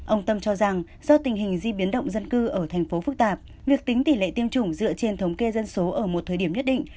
ông tâm cho rằng do tình hình di biến động dân cư ở thành phố phức tạp việc tính tỷ lệ tiêm chủng dựa trên thống kê dân số ở một thời điểm nhất định